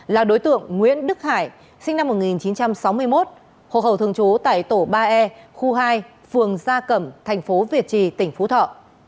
là đối tượng nguyễn đức hải sinh năm một nghìn chín trăm sáu mươi một hộ khẩu thường trú tại tổ ba e khu hai phường gia cẩm thành phố việt trì tỉnh phú thọ